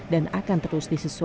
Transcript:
dan akan terus disusun